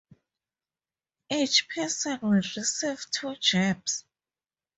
Each person will receive two jabs.